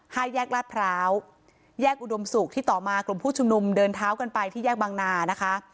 ห้าแยกลาดพร้าวแยกอุดมศุกร์ที่ต่อมากลุ่มผู้ชุมนุมเดินเท้ากันไปที่แยกบางนานะคะ